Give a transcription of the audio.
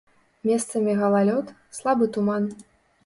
Месцамі галалёд, слабы туман.